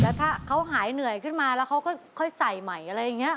แล้วถ้าเขาหายเหนื่อยขึ้นมาแล้วเขาก็ค่อยใส่ใหม่อะไรอย่างนี้